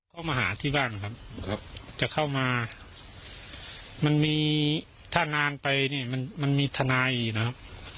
เข้ามาหาที่บ้านครับจะเข้ามามันมีถ้านานไปเนี่ยมันมีทนายอีกนะครับ